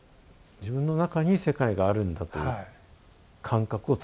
自分の中に世界があるんだという感覚をつかまれた？